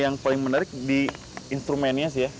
yang paling menarik di instrumennya sih ya